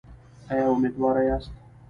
ایا امیدواره یاست؟